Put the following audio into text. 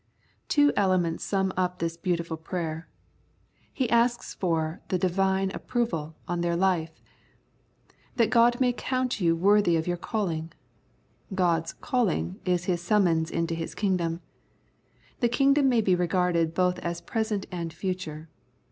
Two elements sum up this beautiful prayer. He asks for the Divine Affroval on their life :" That God may count you worthy of your calling." God's " calling " is His summons into His kingdom. The kingdom may be regarded both as present and future.